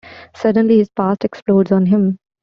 Suddenly his past explodes on him.